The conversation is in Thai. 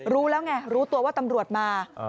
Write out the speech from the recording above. รู้แล้วไงรู้ตัวว่าตำรวจมา